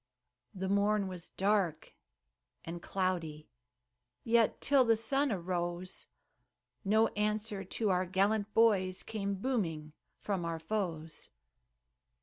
The morn was dark and cloudy, Yet, till the sun arose, No answer to our gallant boys Came booming from our foes.